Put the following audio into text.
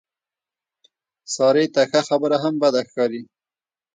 سارې ته ښه خبره هم بده ښکاري.